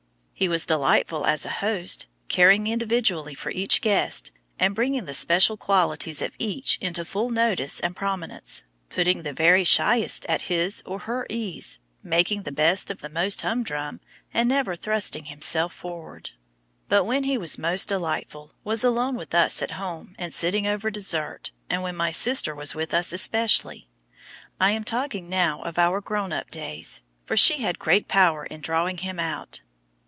He was delightful as a host, caring individually for each guest, and bringing the special qualities of each into full notice and prominence, putting the very shyest at his or her ease, making the best of the most humdrum, and never thrusting himself forward. But when he was most delightful, was alone with us at home and sitting over dessert, and when my sister was with us especially—I am talking now of our grownup days—for she had great power in "drawing him out."